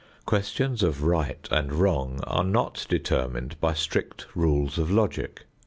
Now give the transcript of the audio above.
Questions of right and wrong are not determined by strict rules of logic.